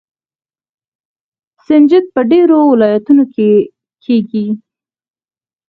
سنجد په ډیرو ولایتونو کې کیږي.